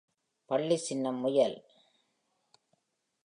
பள்ளி சின்னம் முயல்